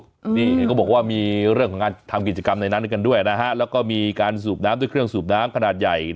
นี่เห็นก็บอกว่ามีเรื่องของการทำกิจกรรมในนั้นกันด้วยนะฮะแล้วก็มีการสูบน้ำด้วยเครื่องสูบน้ำขนาดใหญ่